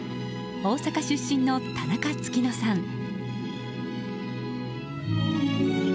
大阪出身の田中月乃さん。